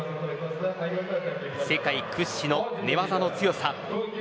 世界屈指の寝技の強さ。